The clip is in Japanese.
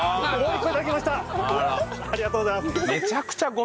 ありがとうございます！